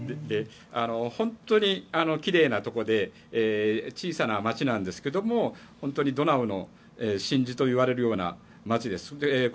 本当にきれいなところで小さな街なんですけどドナウの真珠といわれるような街です。